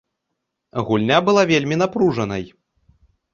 Гульня была вельмі напружанай.